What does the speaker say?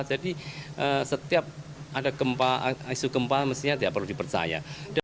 jadi setiap ada isu gempa mestinya tidak perlu dipercaya